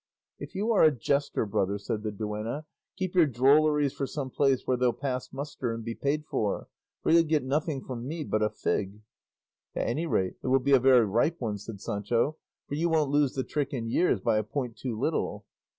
"If you are a jester, brother," said the duenna, "keep your drolleries for some place where they'll pass muster and be paid for; for you'll get nothing from me but a fig." "At any rate, it will be a very ripe one," said Sancho, "for you won't lose the trick in years by a point too little."